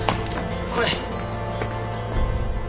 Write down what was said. これ。